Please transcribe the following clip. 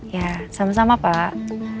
ya sama sama pak